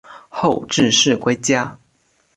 后致仕归家。